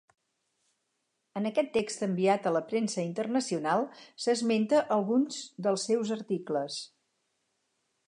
En aquest text enviat a la premsa internacional s’esmenta alguns dels seus articles.